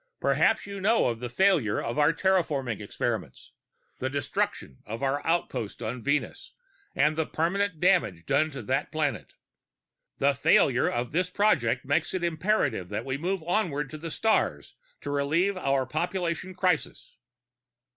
Perhaps you know of the failure of our terraforming experiments the destruction of our outpost on Venus, and the permanent damage done to that planet. The failure of this project makes it imperative that we move outward to the stars to relieve our population crisis."